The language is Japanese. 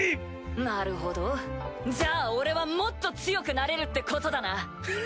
なるほどじゃあ俺はもっと強くなれるってことだな！